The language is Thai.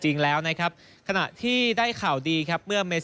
ชิงแชมป์เอเชีย๒๐๑๖ที่กรุงโดฮาประเทศกาตา